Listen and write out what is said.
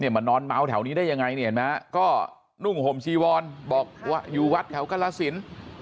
มานอนเมาแถวนี้ได้ยังไงนี่เห็นไหมก็นุ่งห่มจีวอนบอกว่าอยู่วัดแถวกรสิน